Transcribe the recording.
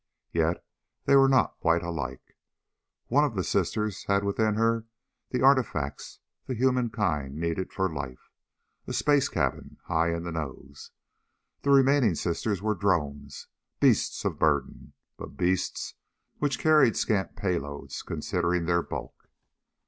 Yet they were not quite alike. One of the sisters had within her the artifacts the human kind needed for life a space cabin high in the nose. The remaining sisters were drones, beasts of burden, but beasts which carried scant payloads considering their bulk.